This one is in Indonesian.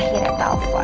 telfonnya udah diangkat